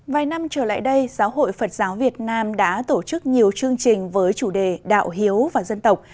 vài năm trở lại đây giáo hội phật giáo việt nam đã tổ chức nhiều chương trình với chủ đề đạo hiếu và dân tộc